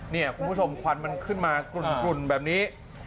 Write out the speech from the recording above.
นี่คุณผู้ชมควันมันขึ้นมากลุ่นแบบนี้